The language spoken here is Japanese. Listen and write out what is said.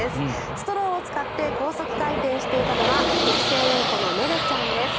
ストローを使って高速回転していたのはセキセイインコのめれちゃんです。